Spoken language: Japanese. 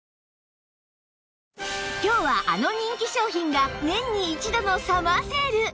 今日はあの人気商品が年に１度のサマーセール